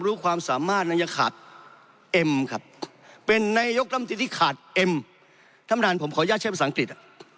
ธรรมาันขออนุญาตใช้ภาษาอังกฤษ